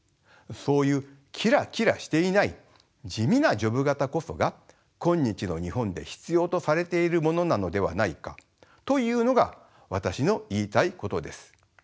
そういうキラキラしていない地味なジョブ型こそが今日の日本で必要とされているものなのではないかというのが私の言いたいことです。